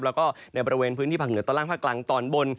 แล้วก็ในบริเวณพื้นที่ภาคเหนือตอนล่างภาคกลางตอนบน